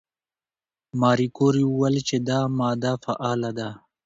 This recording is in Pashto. ماري کوري وویل چې دا ماده فعاله ده.